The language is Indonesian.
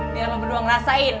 biar lo berdua ngerasain